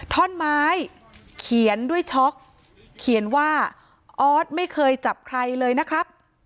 ท่อนไม้เขียนด้วยช็อกเขียนว่าออสไม่เคยจับใครเลยนะครับ